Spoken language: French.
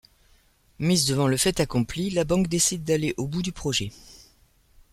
Mise devant le fait accompli, la banque décide d'aller au bout du projet.